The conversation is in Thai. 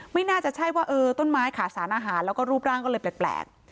ไม่น่าจะใช่ว่าเออต้นไม้ขาสารอาหารแล้วก็รูปร่างก็เลยแปลก